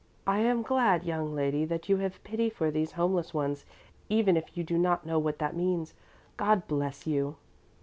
"I am glad, young lady, that you have pity for these homeless ones, even if you do not know what that means. God bless you!"